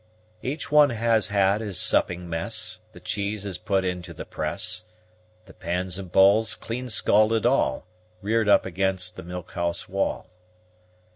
Each one has had his supping mess, The cheese is put into the press, The pans and bowls, clean scalded all, Reared up against the milk house wall.